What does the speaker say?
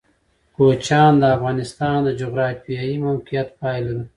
کوچیان د افغانستان د جغرافیایي موقیعت پایله ده.